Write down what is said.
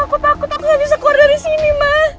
aku takut aku nggak bisa keluar dari sini ma